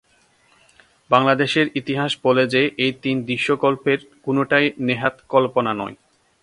বাংলাদেশের ইতিহাস বলে যে এই তিন দৃশ্যকল্পের কোনোটাই নেহাত কল্পনা নয়।